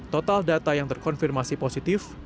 total data yang terkonfirmasi positif